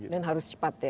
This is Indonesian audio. dan harus cepat ya